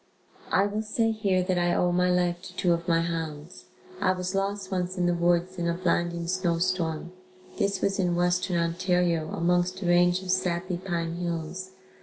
I will say here that I owe my life to two of my hounds. I was lost once in the woods in a blinding snow storm. This was in Western Ontario amongst a range of sappy pine hills.